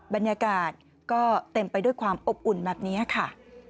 บรรยากาศก็เต็มไปด้วยความอบอุ่นแบบนี้ค่ะ